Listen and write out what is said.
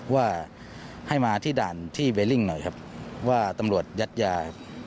ว่าให้มาที่ด่านที่เวลิ่งหน่อยครับว่าตำรวจยัดยา